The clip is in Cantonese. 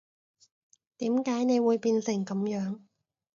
點解你會變成噉樣